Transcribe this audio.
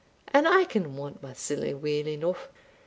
And I can want my siller weel eneugh.